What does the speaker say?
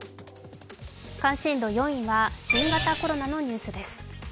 関心度４位は新型コロナのニュースです。